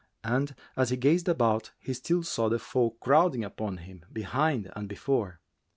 And as he gazed about he still saw the folk crowding upon him behind and before.